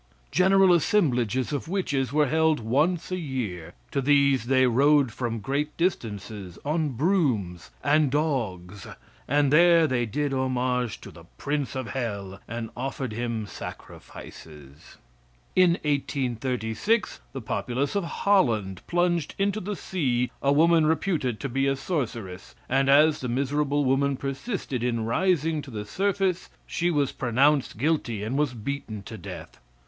General assemblages of witches were held once a year. To these they rode from great distances on brooms and dogs, and there they did homage to the prince of hell and offered him sacrifices. In 1836 the populace of Holland plunged into the sea a woman reputed to be a sorceress, and as the miserable woman persisted in rising to the surface, she was pronounced guilty, and was beaten to death.